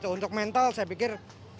untuk mental saya pikir